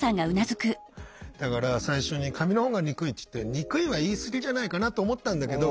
だから最初に「紙の本が憎い」って言って憎いは言い過ぎじゃないかなと思ったんだけど